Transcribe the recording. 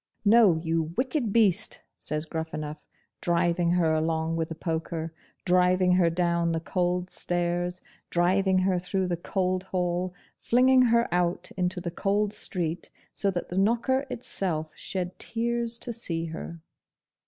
'No, you wicked beast!' says Gruffanuff, driving her along with the poker driving her down the cold stairs driving her through the cold hall flinging her out into the cold street, so that the knocker itself shed tears to see her!